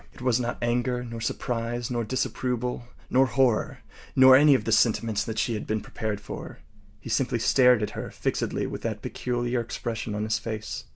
It was not anger, nor surprise, nor disapproval, nor horror, nor any of the sentiments that she had been prepared for. He simply stared at her fixedly with that peculiar expression on his face.